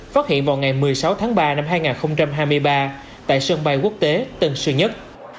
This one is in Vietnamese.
phát hiện vào ngày một mươi sáu tháng ba năm hai nghìn hai mươi ba tại sân bay quốc tế tân sơn nhất